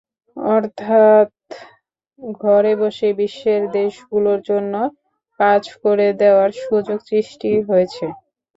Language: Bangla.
অর্থাত্ ঘরে বসেই বিশ্বের দেশগুলোর জন্য কাজ করে দেওয়ার সুযোগ সৃষ্টি হয়েছে।